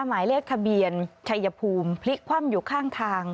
หมายเลขทะเบียนชัยภูมิพลิกคว่ำอยู่ข้างทาง